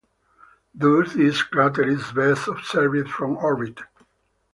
Thus this crater is best observed from orbit.